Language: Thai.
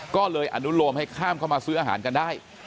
ก็เลยอนุโลมให้ข้ามเข้ามาซื้ออาหารกันได้